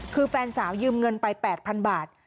คือแฟนสาวยืมเงินไป๘๐๐๐บาท